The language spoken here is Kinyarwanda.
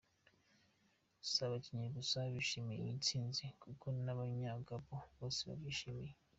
Si abakinnyi gusa bishimiye iyi ntsinzi, kuko n’abanya Gabon bose babyishimiye.